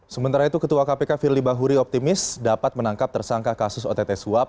sementara itu ketua kpk firly bahuri optimis dapat menangkap tersangka kasus ott suap